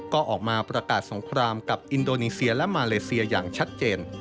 ก็ออกมาประกาศสงครามกับอินโดนีเซียและมาเลเซียอย่างชัดเจน